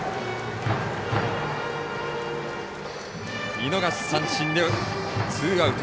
見逃し三振でツーアウト。